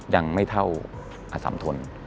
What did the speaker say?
ยังไม่เท่าอสัมธนตร์